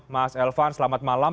mas elvan selamat malam